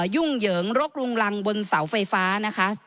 ยุ่งเหยิงรกรุงรังบนเสาไฟฟ้านะคะ